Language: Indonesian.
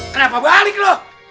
kenapa balik lo